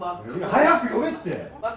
早く呼べって！